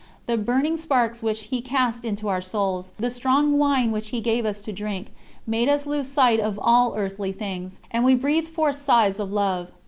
The burning sparks which He cast into our souls, the strong wine which He gave us to drink, made us lose sight of all earthly things, and we breathed forth sighs of love.